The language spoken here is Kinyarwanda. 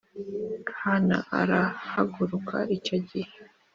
Hana arahaguruka Icyo gihe